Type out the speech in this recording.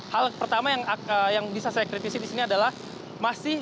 hal pertama yang bisa saya kritisi di sini adalah masih